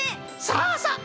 さあさあ